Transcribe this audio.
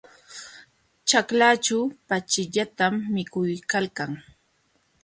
Ćhaklaćhu pachillatam mikuykalkan.